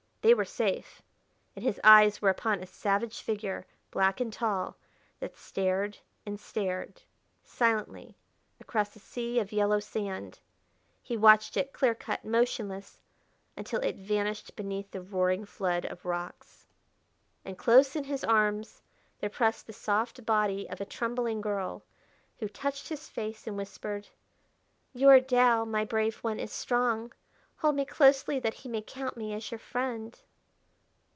They were safe and his eyes were upon a savage figure, black and tall, that stared and stared, silently, across a sea of yellow sand. He watched it, clear cut, motionless until it vanished beneath the roaring flood of rocks. And close in his arms there pressed the soft body of a trembling girl who touched his face and whispered: "Your Tao, my brave one, is strong. Hold me closely that he may count me as your friend."